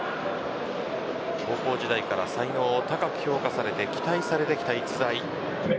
高校時代から才能を高く評価されて期待されてきた逸材。